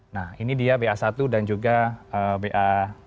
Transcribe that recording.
nah ini dia ba satu dan juga ba lima